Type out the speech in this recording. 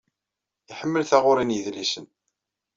Iḥemmel taɣuṛi n yedlisen.